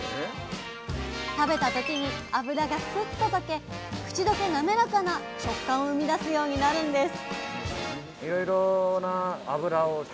食べた時に脂がスッととけ口どけなめらかな食感を生み出すようになるんです！